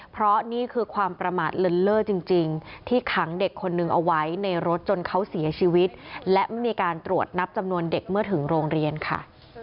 เพราะนี่คือความประมาทเลินเล่อจริงที่ขังเด็กคนนึงเอาไว้ในรถจนเขาเสียชีวิตและไม่มีการตรวจนับจำนวนเด็กเมื่อถึงโรงเรียนค่ะ